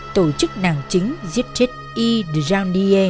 tổ chức nàng chính diệp chết y d d